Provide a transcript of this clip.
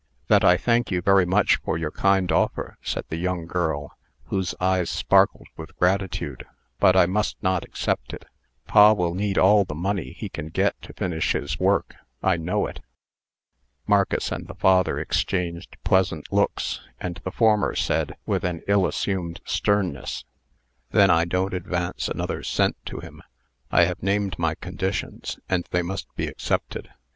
"That I thank you very much for your kind offer," said the young girl, whose eyes sparkled with gratitude; "but I must not accept it. Pa will need all the money he can get to finish his work. I know it." Marcus and the father exchanged pleasant looks, and the former said, with an ill assumed sternness: "Then I don't advance another cent to him. I have named my conditions, and they must be accepted.